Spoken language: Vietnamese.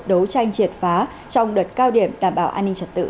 đấu tranh triệt phá trong đợt cao điểm đảm bảo an ninh trật tự vừa qua